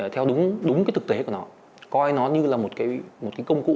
theo đúng cái thực tế của nó coi nó như là một cái công cụ